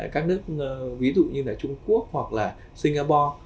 các nước ví dụ như là trung quốc hoặc là singapore